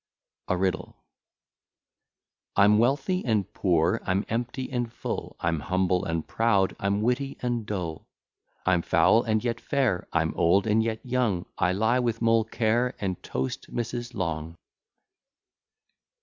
A RIDDLE I'm wealthy and poor, I'm empty and full, I'm humble and proud, I'm witty and dull. I'm foul and yet fair: I'm old, and yet young; I lie with Moll Kerr, And toast Mrs. Long.